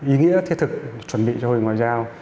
ý nghĩa thiết thực chuẩn bị cho hội ngoại giao